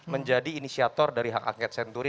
menjadi inisiator dari hak angket senturi